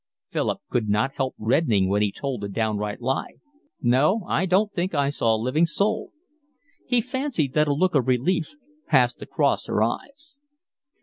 Philip could not help reddening when he told a downright lie. "No. I don't think I saw a living soul." He fancied that a look of relief passed across her eyes.